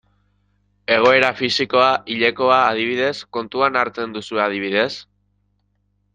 Egoera fisikoa, hilekoa, adibidez, kontuan hartzen duzue adibidez?